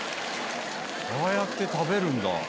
「ああやって食べるんだ」